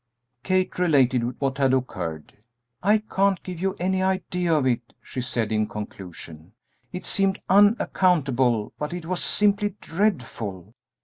Kate related what had occurred. "I can't give you any idea of it," she said, in conclusion; "it seemed unaccountable, but it was simply dreadful.